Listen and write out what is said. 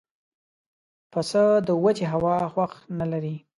پسه د وچې هوا خوښ نه لري.